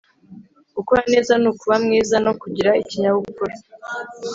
gukora neza ni ukuba mwiza no kugira ikinyabupfura